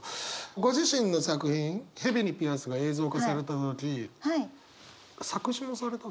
ご自身の作品「蛇にピアス」が映像化された時作詞もされたの？